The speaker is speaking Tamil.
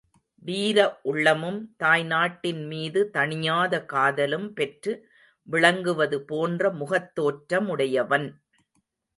வீர உள்ளமும் தாய்நாட்டின் மீது தணியாத காதலும் பெற்று விளங்குவது போன்ற முகத்தோற்றமுடையவன்.